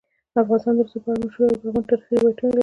افغانستان د رسوب په اړه مشهور او لرغوني تاریخی روایتونه لري.